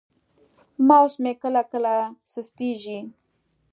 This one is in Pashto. ماوس مې کله کله سستېږي.